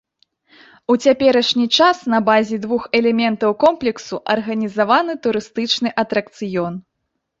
У цяперашні час на базе двух элементаў комплексу арганізаваны турыстычны атракцыён.